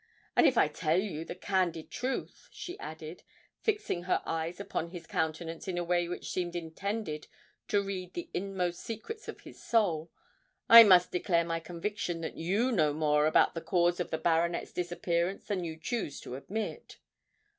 "And, if I tell you the candid truth," she added, fixing her eyes upon his countenance in a way which seemed intended to read the inmost secrets of his soul, "I must declare my conviction that you know more of the cause of the baronet's disappearance than you choose to admit."